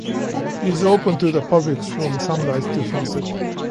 It is open to the public from sunrise to sunset.